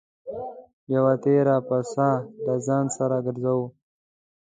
یوه تېره پڅه له ځان سره ګرځوه.